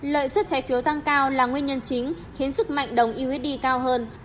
lợi suất trái phiếu tăng cao là nguyên nhân chính khiến sức mạnh đồng usd cao hơn